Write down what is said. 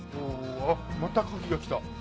またカキが来た。